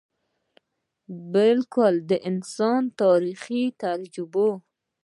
بلکه د انسان د تاریخي تجربو ،